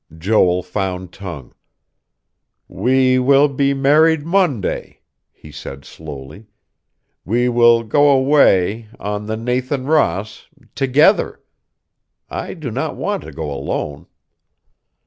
Joel found tongue. "We will be married Monday," he said slowly. "We will go away on the Nathan Ross together. I do not want to go alone."